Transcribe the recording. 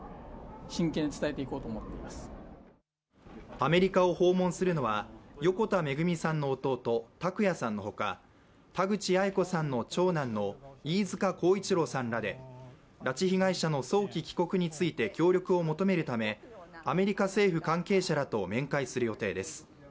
アメリカを訪問するのは横田めぐみさんの弟拓也さんのほか田口八重子さんの長男の飯塚耕一郎さんらで拉致被害者の早期帰国について協力を求めるためアメリカ政府関係者らと面会する予定です。